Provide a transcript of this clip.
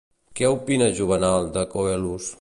Què opina Juvenal de Coelus?